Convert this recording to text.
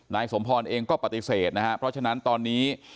นายสมพรเองก็ปฏิเสธนะฮะเพราะฉะนั้นตอนนี้